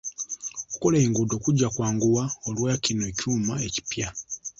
Okukola enguudo kujja kwanguwa olwa kino ekyuma ekipya.